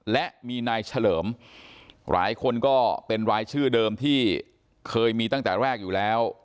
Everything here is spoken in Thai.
และมีนายเฉลิมหลายคนก็เป็นรายชื่อเดิมที่เคยมีตั้งแต่แรกอยู่แล้ว